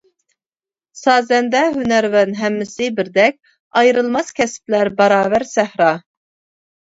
سازەندە ھۈنەرۋەن ھەممىسى بىردەك، ئايرىلماس كەسىپلەر باراۋەر سەھرا.